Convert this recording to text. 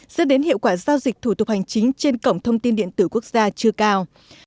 dẫn đến hiệu quả giao dịch thủ tục hành chính trên cổng thông tin điện tử quốc gia chưa cao